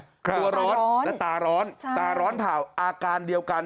สนุกร้อนตาร้อนต้าร้อนอาการเดียวกัน